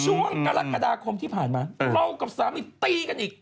ช่วงกรกฎาคมที่ผ่านมาเรากับสามีตีกันอีก